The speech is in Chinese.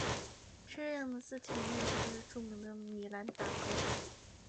这样的四条内容就是著名的米兰达告诫。